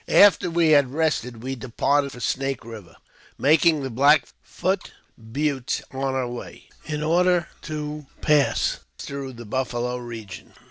AFTER we had rested we departed for Snake Eiver, making the Black Foot buttes on our way, in order of pass through the buffalo region.